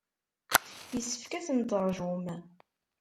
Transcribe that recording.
Yessefk ad ten-teṛjum.